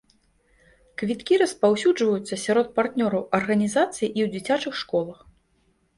Квіткі распаўсюджваюцца сярод партнёраў арганізацыі і ў дзіцячых школах.